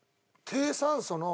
低酸素の？